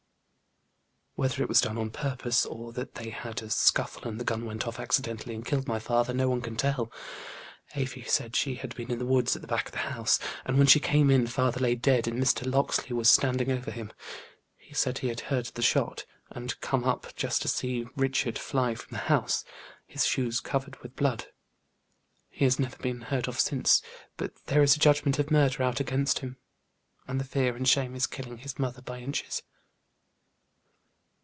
"Whether it was done on purpose, or that they had a scuffle, and the gun went off accidentally and killed my father, no one can tell. Afy said she had been in the woods at the back of the house, and when she came in, father lay dead, and Mr. Locksley was standing over him. He said he had heard the shot, and come up just in time to see Richard fly from the house, his shoes covered with blood. He has never been heard of since; but there is a judgment of murder out against him; and the fear and shame is killing his mother by inches."